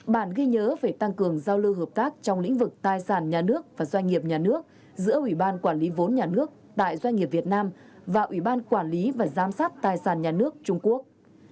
ba bản ghi nhớ về tăng cường giao lưu hợp tác trong lĩnh vực tài sản nhà nước và doanh nghiệp nhà nước giữa ủy ban quản lý vốn nhà nước tại doanh nghiệp việt nam và ủy ban quản lý và giám sát tài sản nhà nước trung quốc